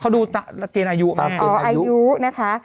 เขาดูเกณฑ์อายุมากอ๋ออายุนะคะ